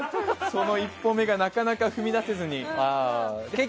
その一歩目がなかなか踏み出せないんです。